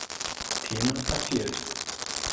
Thema verfehlt.